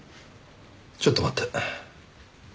ちょっと待って。